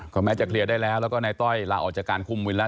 ก็แม้จะเคลียร์ได้แล้วแล้วก็นายต้อยลาออกจากการคุมวินแล้ว